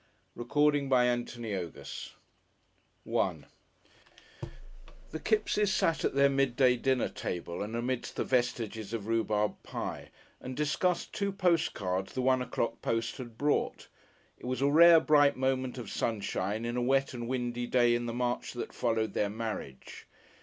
CHAPTER II THE CALLERS §1 The Kippses sat at their midday dinner table and amidst the vestiges of rhubarb pie, and discussed two postcards the one o'clock post had brought. It was a rare bright moment of sunshine in a wet and windy day in the March that followed their marriage.